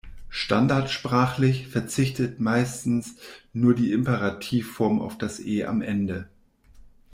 Standardsprachlich verzichtet meistens nur die Imperativform auf das E am Ende.